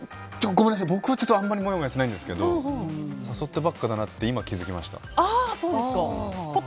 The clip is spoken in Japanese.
ごめんなさい、僕はあんまりもやもやしないですけど誘ってばっかだなって今気づきました。